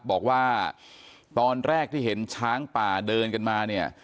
บอกว่าตอนแรกที่เห็นช้างป่าเดินกันมาเนี่ย